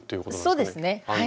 そうですねはい。